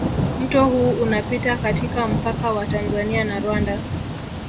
mto huu unapita katika mpaka wa Tanzania na Rwanda